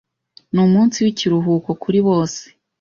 ni umunsi w'ikiruhuko kuri bose